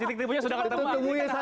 titik temunya sudah ketemu